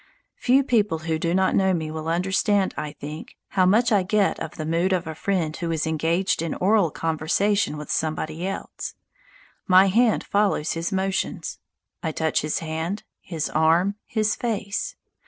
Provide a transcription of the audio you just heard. Few people who do not know me will understand, I think, how much I get of the mood of a friend who is engaged in oral conversation with somebody else. My hand follows his motions; I touch his hand, his arm, his face.